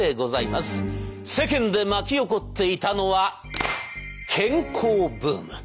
世間で巻き起こっていたのは健康ブーム。